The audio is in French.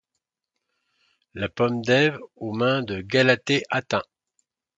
La pomme d'Eve aux mains de Galatée atteint